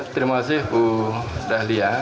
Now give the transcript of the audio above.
terima kasih bu dahlia